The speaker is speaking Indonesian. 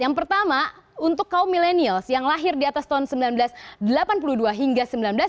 yang pertama untuk kaum milenials yang lahir di atas tahun seribu sembilan ratus delapan puluh dua hingga seribu sembilan ratus sembilan puluh